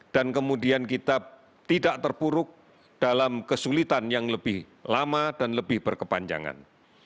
dan kemudian kita tidak terpuruk dalam kesulitan yang lebih lama dan lebih berkepanjangan